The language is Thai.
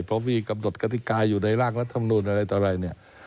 เพราะมีกำหนดกติกายอยู่ในร่างรัฐธรรมนู้นอะไรต่อไหร่